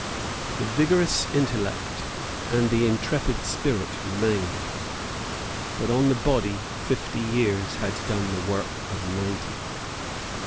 The vigorous intellect, and the intrepid spirit, remained; but on the body fifty years had done the work of ninety.